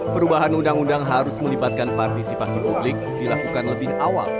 perubahan undang undang harus melibatkan partisipasi publik dilakukan lebih awal